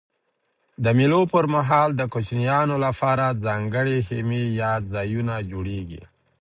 د مېلو پر مهال د کوچنيانو له پاره ځانګړي خیمې یا ځایونه جوړېږي.